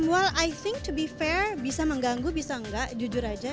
well i think to be fair bisa mengganggu bisa enggak jujur aja